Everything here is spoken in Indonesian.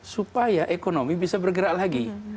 supaya ekonomi bisa bergerak lagi